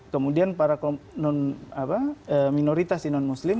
kemudian para minoritas di non muslim